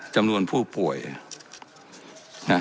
จำนวนผู้ป่วยนะ